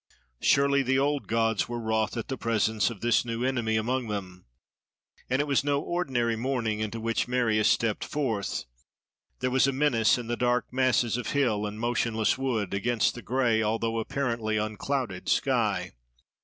Surely, the old gods were wroth at the presence of this new enemy among them! And it was no ordinary morning into which Marius stepped forth. There was a menace in the dark masses of hill, and motionless wood, against the gray, although apparently unclouded sky.